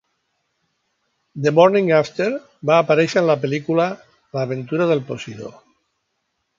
"The Morning After" va aparèixer en la pel·lícula "L'aventura del Posidó".